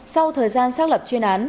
sau thời gian xác lập chuyên án